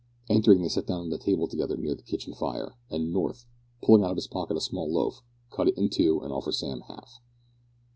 Entering, they sat down at a table together near the kitchen fire, and North, pulling out of his pocket a small loaf, cut it in two and offered Sam half.